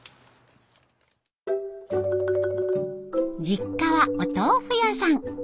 実家はお豆腐屋さん。